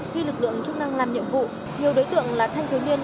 khi lực lượng chức năng làm nhiệm vụ nhiều đối tượng là thanh thiếu niên